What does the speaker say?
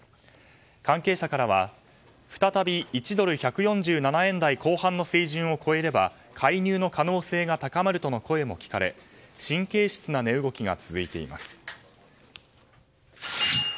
関係者からは再び１ドル＝１４７円台後半の水準を超えれば介入の可能性が高まるとの声も聞かれ神経質な値動きが続いています。